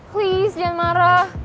please jangan marah